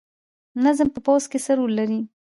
نظم په پوځ کې څه رول لري؟